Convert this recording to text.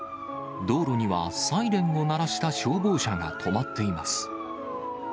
道路にはサイレンを鳴らした消防車が止まっています。